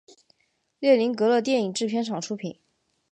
列宁格勒电影制片厂出品。